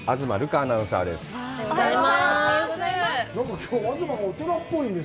アナウンサーです。